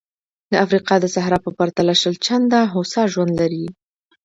د افریقا د صحرا په پرتله شل چنده هوسا ژوند لري.